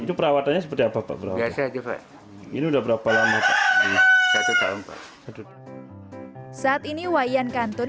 itu perawatannya seperti apa berasal juga ini udah berapa lama satu tahun saat ini wayan kantun